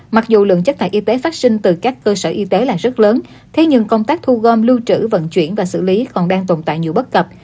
mặc dù lượng chất thải y tế phát sinh từ các cơ sở y tế là rất lớn thế nhưng công tác thu gom lưu trữ vận chuyển và xử lý còn đang tồn tại nhiều bất cập